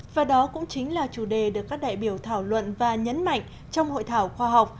và đó cũng chính là chủ đề được các đại biểu thảo luận và nhấn mạnh trong hội thảo khoa học